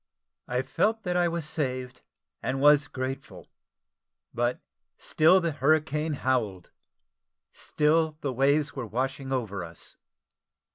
I felt that I was saved, and was grateful: but still the hurricane howled still the waves were washing over us.